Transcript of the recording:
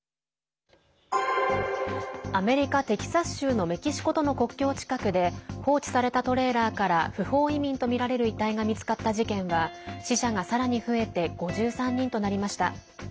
アメリカ・テキサス州のメキシコとの国境近くで放置されたトレーラーから不法移民とみられる遺体が見つかった事件は死者がさらに増えて５３人となりました。